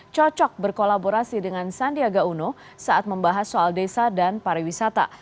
cocok berkolaborasi dengan sandiaga uno saat membahas soal desa dan pariwisata